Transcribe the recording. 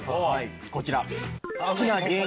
こちら。